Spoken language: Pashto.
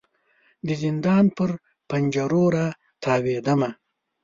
د زندان پر پنجرو را تاویدمه